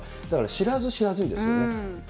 だから知らず知らずにですよね。